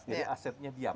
jadi asetnya diam